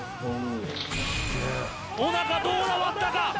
おなかどうだ割ったか？